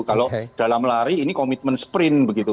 kalau dalam lari ini komitmen sprint begitu